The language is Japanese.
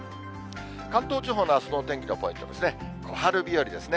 関東地方のあすのお天気のポイントですね、小春日和ですね。